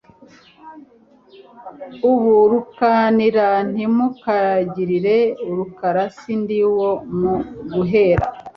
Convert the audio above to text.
Ubu Rukanira ntimukangirire urukara Si ndi uwo mu guhera.